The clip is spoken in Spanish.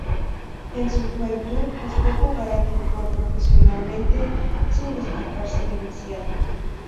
En su juventud buscó jugar al fútbol profesionalmente sin destacarse demasiado.